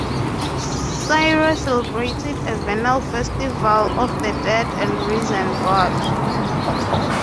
Syria celebrated a vernal festival of the dead and risen god.